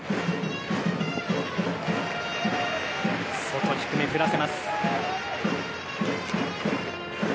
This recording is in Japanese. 外低め、振らせます。